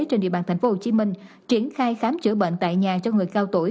trên địa bàn tp hcm triển khai khám chữa bệnh tại nhà cho người cao tuổi